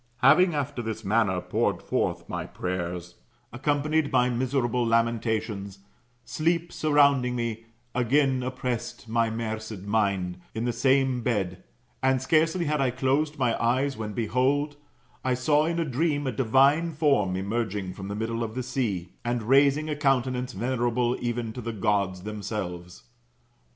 Having after this manner poured forth prayers, accompanied by miserable lamentations, sleep surrounding me, again op pressed my marcid mind, in the same bed \t\e, on the soft sand]. And scarcely had I closed my eyes, when behold, [I saw in a dream] a divine form emerging from the middle of the sea, and raising a countenance venerable even to the Gods themselves.